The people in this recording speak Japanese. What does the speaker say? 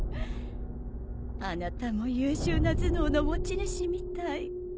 あなたも優秀な頭脳の持ち主みたい。